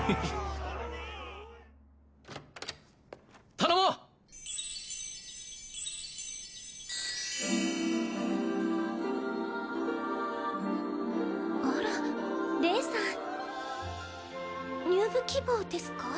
頼もうあらレイさん入部希望ですか？